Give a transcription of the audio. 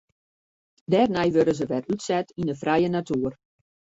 Dêrnei wurde se wer útset yn de frije natoer.